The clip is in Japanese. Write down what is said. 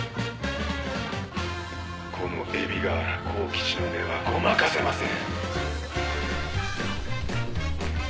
この海老河原幸吉の目はごまかせません。